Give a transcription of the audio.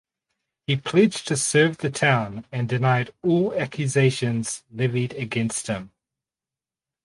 He pledged to serve the town and denied all accusations levied against him.